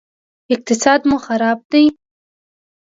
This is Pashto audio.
اقتصاد مو خراب دی